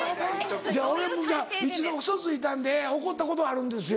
俺も一度ウソついたんで怒ったことあるんですよ。